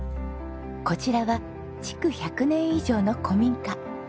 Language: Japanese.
こちらは築１００年以上の古民家。